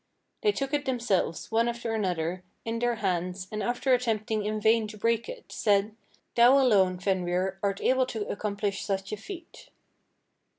They took it themselves, one after another, in their hands, and after attempting in vain to break it, said, 'Thou alone, Fenrir, art able to accomplish such a feat.'